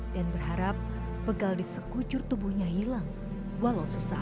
dan berharap pegal di sekucur tubuhnya hilang walau sesah